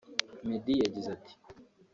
Meddy yagize ati